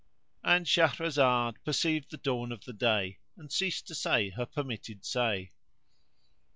And Shahrazad perceived the dawn of day and ceased to say her permitted say.